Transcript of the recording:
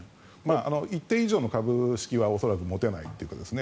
一定以上の株式は恐らく持てないということですね。